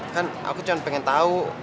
kan aku cuma pengen tahu